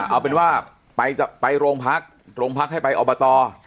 เอาเป็นว่าไปโรงพักให้ไปอาบต